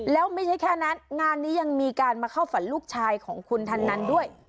แล้วไม่ใช่แค่นั้นงานนี้ยังมีการมาเข้าฝันลูกชายของคุณทันนั้นด้วย